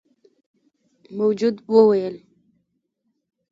موجود وويل: